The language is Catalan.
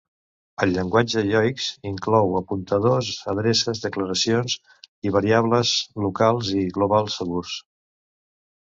El llenguatge Yoix inclou apuntadors, adreces, declaracions i variables locals i globals segurs.